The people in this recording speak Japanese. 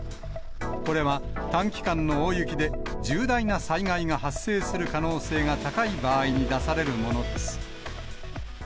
これは、短期間の大雪で、重大な災害が発生する可能性が高い場合に出されるものです。